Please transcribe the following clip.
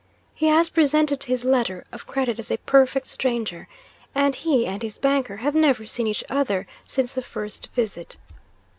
He has presented his letter of credit as a perfect stranger; and he and his banker have never seen each other since that first visit.